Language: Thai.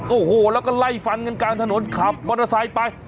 โอ้โหแล้วก็ไล่ฟันกันกลางถนนขับมอเตอร์ไซค์ไป